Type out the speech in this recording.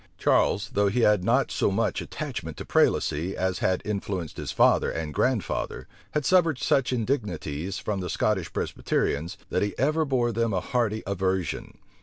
Charles, though he had not so much attachment to prelacy as had influenced his father and grandfather, had suffered such indignities from the Scottish Presbyterians, that he ever after bore them a hearty aversion.